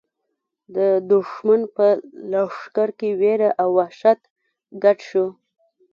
د دښمن په لښکر کې وېره او وحشت ګډ شو.